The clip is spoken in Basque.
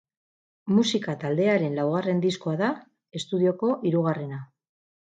Musika taldearen laugarren diskoa da, estudioko hirugarrena.